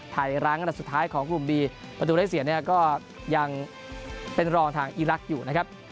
รั้งอันดับสุดท้ายของกลุ่มบีประตูได้เสียเนี่ยก็ยังเป็นรองทางอีรักษ์อยู่นะครับ